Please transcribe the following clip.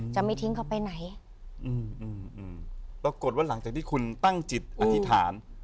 จะไม่ทิ้งเขาไปไหนอืมปรากฏว่าหลังจากที่คุณตั้งจิตอธิษฐาน